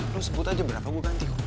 lo sebut aja berapa gue ganti kok